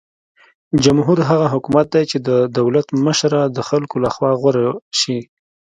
جمهور هغه حکومت دی چې د دولت مشره د خلکو لخوا غوره شي.